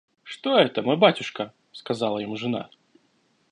«Что это, мой батюшка? – сказала ему жена.